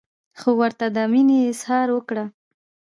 خو ورته دا مینه اظهار وکړه.